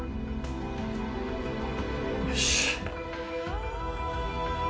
よし。